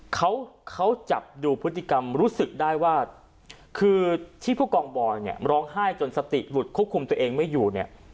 เขาเขาจับดูพฤติกรรมรู้สึกได้ว่าคือที่ผู้กองบอยเนี่ยร้องไห้จนสติหลุดควบคุมตัวเองไม่อยู่เนี่ย